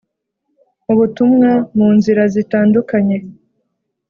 Ubutumwa mu nzira zitandukanye